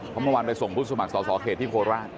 เพราะเมื่อวานไปส่งผู้สมัครสอบเขตที่โคราช